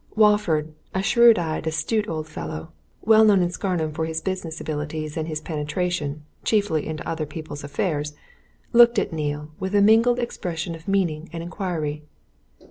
Walford, a shrewd eyed, astute old fellow, well known in Scarnham for his business abilities and his penetration, chiefly into other people's affairs, looked at Neale with a mingled expression of meaning and inquiry.